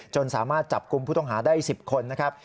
สามารถจับกลุ่มผู้ต้องหาได้๑๐คนนะครับ